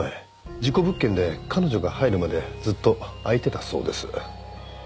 事故物件で彼女が入るまでずっと空いてたそうです。